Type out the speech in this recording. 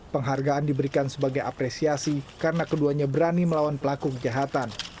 penghargaan diberikan sebagai apresiasi karena keduanya berani melawan pelaku kejahatan